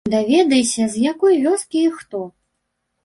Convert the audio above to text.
Даведайся, з якой вёскі і хто?